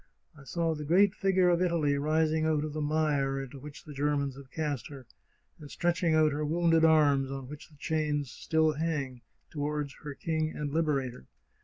I saw the great figure of Italy rising out of the mire into which the Germans have cast her, and stretching out her wounded arms, on which the chains still hung, towards her king and liberator.